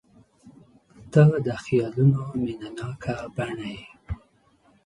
• ته د خیالونو مینهناکه بڼه یې.